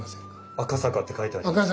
赤坂って書いてあります。